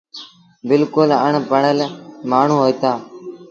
بلڪُل اَڻ پڙهل مآڻهوٚݩ هوئيٚتآ۔